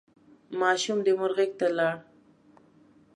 ماشوم د مور غېږ ته لاړ.